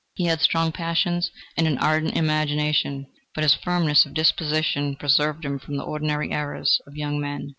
He had strong passions and an ardent imagination, but his firmness of disposition preserved him from the ordinary errors of young men.